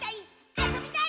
あそびたい！